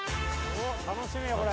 楽しみやこれ。